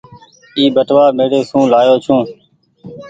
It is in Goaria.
اي ٻٽوآ ميڙي سون لآيو ڇون ۔